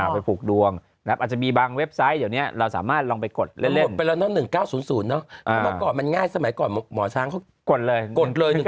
อ้อไปผูกดวงมันหลบไปแล้วเนอะ๑๙๐๐เนอะพอมันง่ายสมัยก่อนหมอช้างเขากดเลย